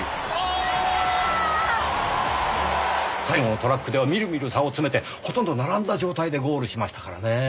最後のトラックではみるみる差を詰めてほとんど並んだ状態でゴールしましたからね。